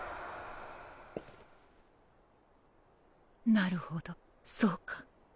なるほどそうか。